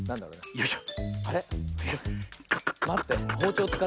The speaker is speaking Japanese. よいしょ。